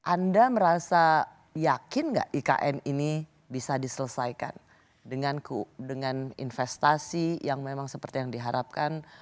anda merasa yakin nggak ikn ini bisa diselesaikan dengan investasi yang memang seperti yang diharapkan